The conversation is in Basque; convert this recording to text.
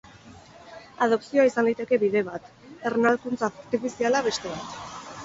Adopzioa izan liteke bide bat, ernalkuntza artifiziala beste bat.